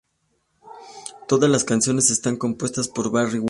Todas las canciones están compuestas por Barry White.